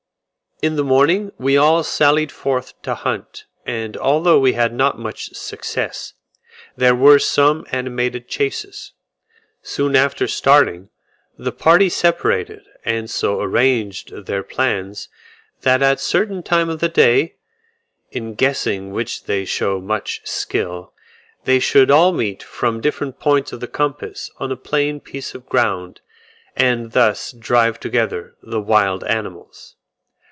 In the morning we all sallied forth to hunt, and although we had not much success, there were some animated chases. Soon after starting the party separated, and so arranged their plans, that at a certain time of the day (in guessing which they show much skill) they should all meet from different points of the compass on a plain piece of ground, and thus drive together the wild animals.